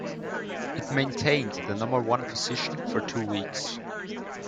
It maintained the number one position for two weeks.